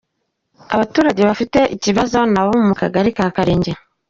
Abaturage bafite ikibazo ni abo mu Kagari ka Karenge.